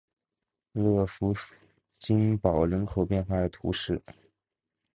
勒福新堡人口变化图示